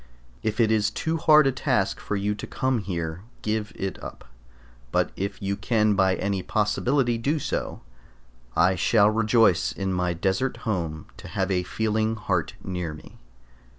If it is too hard a task for you to come here, give it up; but if you can by any possibility do so, I shall rejoice in my desert home to have a feeling heart near me.